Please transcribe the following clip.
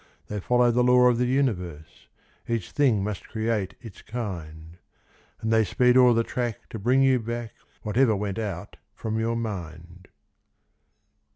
They follow the law of the universe— Each thing must create its kind; And they speed o'er the track to bring you back Whatever went out from your mind.